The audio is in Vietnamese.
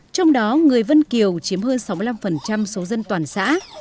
trong đó người vân kiều chiếm hơn sáu mươi năm số dân toàn xã